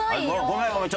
ごめんごめん。